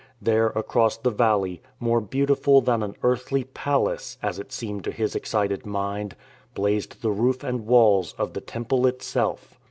There, across the valley, more beautiful than an earthly palace (as it seemed to his excited mind), blazed the roof and walls of the Temple itself.